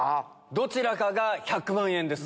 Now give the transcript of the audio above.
どちらかが１００万円です。